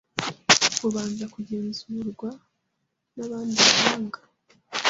bubanza kugenzurwa n'abandi bahanga